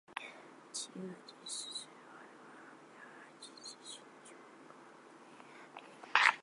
吉尔吉斯斯坦地震观测和研究中心还积极寻求解决各类区域性问题。